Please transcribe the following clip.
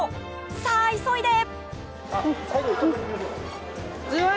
さあ、急いで！